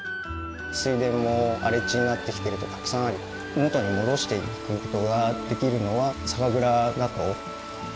水田も荒れ地になってきてる所がたくさんある元に戻していくことができるのは酒蔵だと。